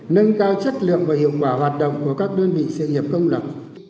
nâng cao chất lượng và hiệu quả hoạt động của các đơn vị sự nghiệp công lập